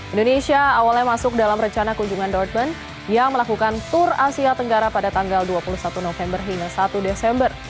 indonesia awalnya masuk dalam rencana kunjungan dortban yang melakukan tur asia tenggara pada tanggal dua puluh satu november hingga satu desember